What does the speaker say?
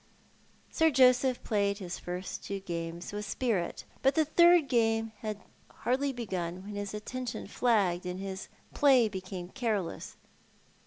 Sir Joseph played his first two games with spirit, but the third game had hardly begun when his attention flagged and his play became careless.